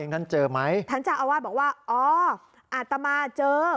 ท่านเจ้าอาวาสบอกว่าอาตมาเจอ